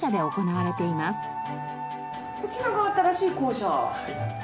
こちらが新しい校舎ですか。